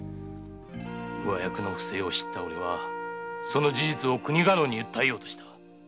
上役の不正を知った俺はそれを国家老に訴えようとした。